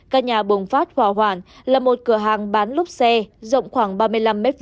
căn nhà bùng phát hỏa hoạn là một cửa hàng bán lốp xe rộng khoảng ba mươi năm m hai